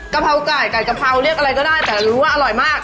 เพราไก่ไก่กะเพราเรียกอะไรก็ได้แต่รู้ว่าอร่อยมาก